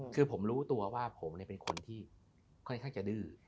คือผมรู้ตัวว่าผมเป็นคนที่ค่อนข้างจะดื้อ